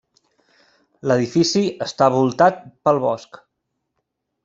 L'edifici està voltat pel bosc.